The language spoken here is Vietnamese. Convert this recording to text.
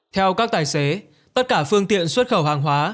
theo các tài xế tất cả phương tiện xuất khẩu hàng hóa